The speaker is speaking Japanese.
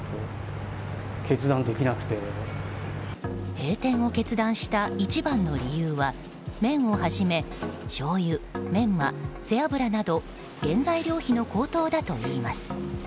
閉店を決断した一番の理由は麺をはじめしょうゆ、メンマ、背脂など原材料費の高騰だといいます。